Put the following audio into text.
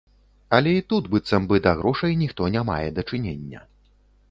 Але і тут, быццам бы, да грошай ніхто не мае дачынення.